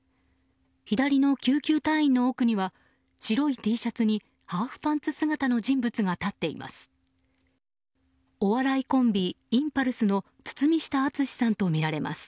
左の救急隊員の奥には白いＴシャツにハーフパンツ姿の人物が立っています。